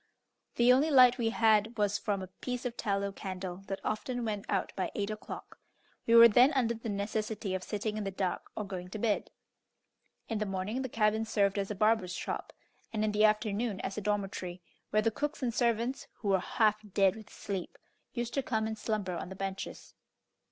The only light we had was from a piece of tallow candle, that often went out by eight o'clock. We were then under the necessity of sitting in the dark or going to bed. In the morning the cabin served as a barber's shop, and in the afternoon as a dormitory, where the cooks and servants, who were half dead with sleep, used to come and slumber on the benches.